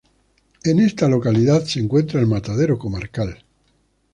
En esta localidad se encuentra el matadero comarcal.